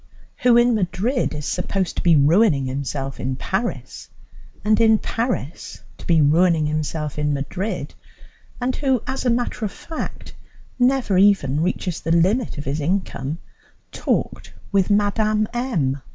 who in Madrid is supposed to be ruining himself in Paris, and in Paris to be ruining himself in Madrid, and who, as a matter of fact, never even reaches the limit of his income, talked with Mme. M.